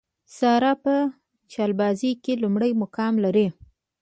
ساره په چلبازۍ کې لومړی مقام لري.